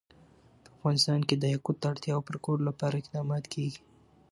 په افغانستان کې د یاقوت د اړتیاوو پوره کولو لپاره اقدامات کېږي.